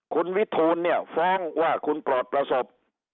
คุณวิทูลฟ้องว่าคุณปรประสบ